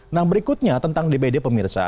nah berikutnya tentang dbd pemirsa